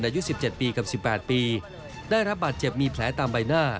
อายุ๑๗ปีกับ๑๘ปีได้รับบาดเจ็บมีแผลตามใบหน้า